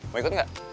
mau ikut gak